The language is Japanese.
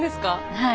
はい。